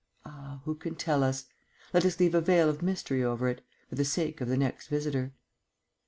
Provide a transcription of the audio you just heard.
Ah! who can tell us? Let us leave a veil of mystery over it ... for the sake of the next visitor.